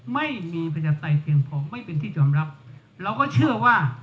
ไม่มีประชาปไตยเพียงพอไม่เป็นที่ยอมรับเราก็เชื่อว่า